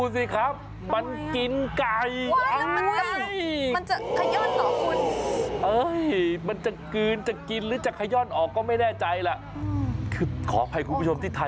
นี่แต่ว่าตรงคอนี่อ้วนมันพิเศษนะ